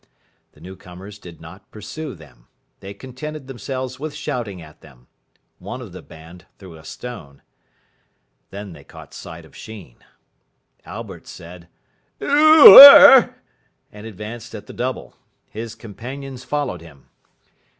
The newcomers did not pursue them. They contented themselves with shouting at them. One of the band threw a stone. Then they caught sight of Sheen. Albert said, "Oo er!" and advanced at the double. His companions followed him.